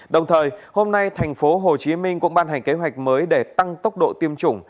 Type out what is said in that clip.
đồng thời hôm nay thành phố hồ chí minh cũng ban hành kế hoạch mới để tăng tốc độ tiêm chủng